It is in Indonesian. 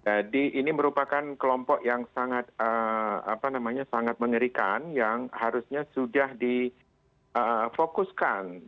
jadi ini merupakan kelompok yang sangat mengerikan yang harusnya sudah difokuskan